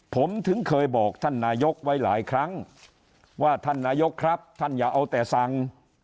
ผมถึงเคยบอกท่านนายกไว้หลายครั้งว่าท่านนายกครับท่านอย่าเอาแต่สั่ง